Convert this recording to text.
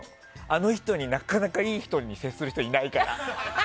あの人なかなかいいように接する人がいないから。